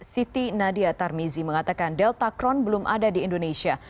siti nadia tarmizi mengatakan delta crohn belum ada di indonesia